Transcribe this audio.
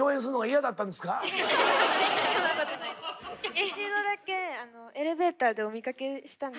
一度だけエレベーターでお見かけしたんですよ。